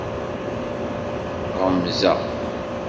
Ɣemzeɣ.